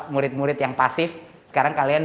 murid murid yang pasif sekarang kalian